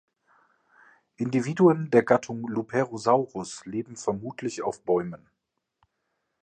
Individuen der Gattung „Luperosaurus“ leben vermutlich auf Bäumen.